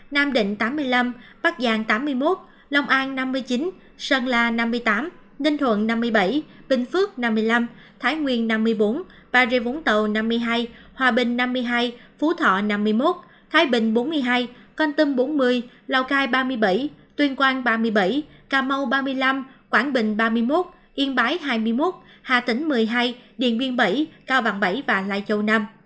nam định tám mươi năm bắc giang tám mươi một lòng an năm mươi chín sơn la năm mươi tám ninh thuận năm mươi bảy bình phước năm mươi năm thái nguyên năm mươi bốn bà rê vũng tàu năm mươi hai hòa bình năm mươi hai phú thọ năm mươi một thái bình bốn mươi hai con tâm bốn mươi lào cai ba mươi bảy tuyên quang ba mươi bảy cà mau ba mươi năm quảng bình ba mươi một yên bái hai mươi một hà tĩnh một mươi hai điện biên bảy cao bằng bảy và lai châu năm